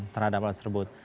terhadap hal tersebut